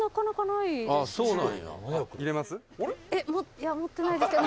いや持ってないですけど